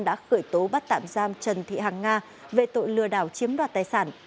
đã khởi tố bắt tạm giam trần thị hàng nga về tội lừa đảo chiếm đoạt tài sản